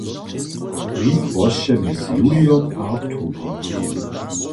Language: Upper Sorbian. Hrib rosće mjez julijom a oktobrom.